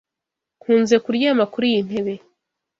Nkunze kuryama kuri iyi ntebe.